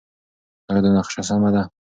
ایا دا نقشه سمه ده؟